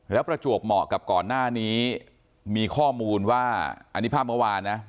แล้วประจวบเหมาะกับก่อนหน้านี้มีข้อมูลว่าอันนี้ภาพเมื่อวานนะ